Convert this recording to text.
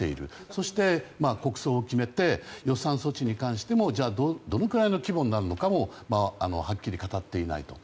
そして、国葬を決めて予算措置に関してもどのくらいの規模になるのかもはっきり語っていないと。